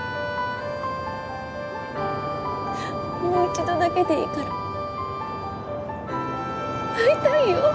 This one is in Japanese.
もう一度だけでいいから会いたいよ